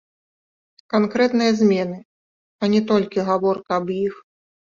Канкрэтныя змены, а не толькі гаворка аб іх.